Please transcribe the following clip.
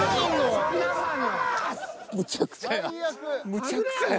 むちゃくちゃや。